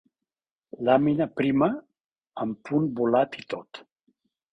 Làmina prima, amb punt volat i tot.